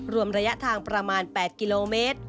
รวมระยะทางประมาณ๘กิโลเมตร